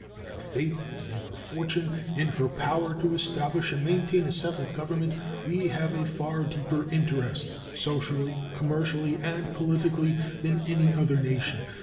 In her fate and in her fortune, in her power to establish and maintain a settled government, we have a far deeper interest, socially, commercially, and politically, than any other nation.